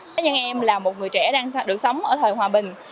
tất nhiên em là một người trẻ đang được sống ở thời hòa bình